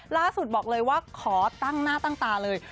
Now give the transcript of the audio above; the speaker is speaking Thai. ล่าสุดบอกเลยว่าขอตั้งหน้าตั้งตาเลย